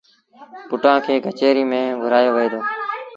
پُٽآݩ کي ڪچهريٚ ميݩ گھُرآيو وهي دو